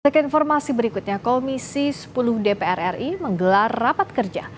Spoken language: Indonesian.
ke informasi berikutnya komisi sepuluh dpr ri menggelar rapat kerja